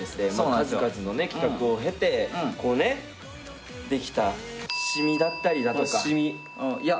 数々のね企画をへてこうねできたシミだったりだとかシミいや